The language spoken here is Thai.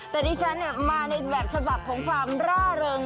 แต่ดิฉันมาในแบบฉบับของความร่าเริง